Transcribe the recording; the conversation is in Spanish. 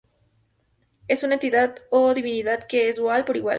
Es una entidad o divinidad que es dual, por igual.